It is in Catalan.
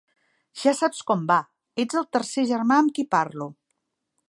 Ja saps com va, ets el tercer germà amb qui parlo.